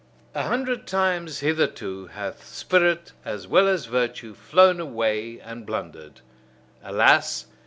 A hundred times hitherto hath spirit as well as virtue flown away and blundered. Alas!